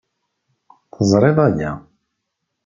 Teẓriḍ aya.